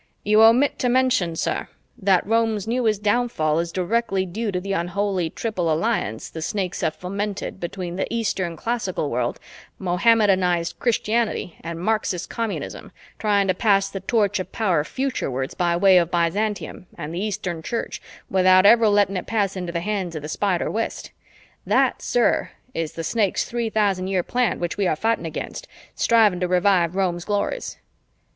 "You omit to mention, sir, that Rome's newest downfall is directly due to the Unholy Triple Alliance the Snakes have fomented between the Eastern Classical World, Mohammedanized Christianity, and Marxist Communism, trying to pass the torch of power futurewards by way of Byzantium and the Eastern Church, without ever letting it pass into the hands of the Spider West. That, sir, is the Snakes' Three Thousand Year Plan which we are fighting against, striving to revive Rome's glories."